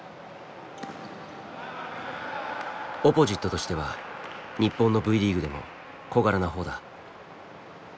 オポジットとしては日本のＶリーグでも小柄な方だ。